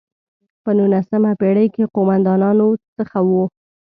په نولسمه پېړۍ کې قوماندانانو څخه وو.